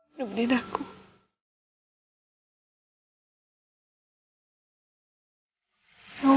ini benda yang aku